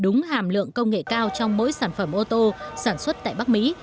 đúng hàm lượng công nghệ cao trong mỗi sản phẩm ô tô sản xuất tại bắc mỹ